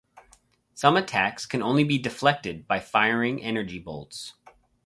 Some attacks can only be deflected by firing energy bolts.